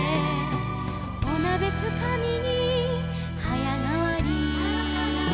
「おなべつかみにはやがわり」「」